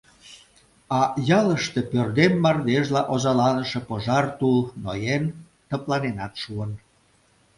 А ялыште пӧрдем мардежла озаланыше пожар тул ноен, тыпланенат шуын.